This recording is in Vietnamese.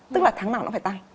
tức là tháng nào nó phải tăng